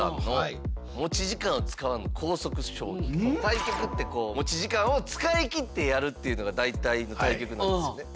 対局って持ち時間を使い切ってやるっていうのが大体の対局なんですよね。